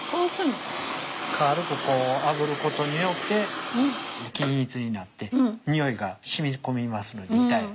軽くこうあぶることによって均一になってにおいが染み込みますので板へ。